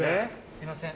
すいません。